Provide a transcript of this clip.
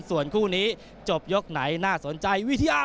ส่วนคู่นี้จบยกไหนน่าสนใจ